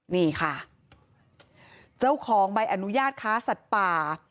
นี่ค่ะเจ้าของใบอนุญาตค้าสัตว์ป่า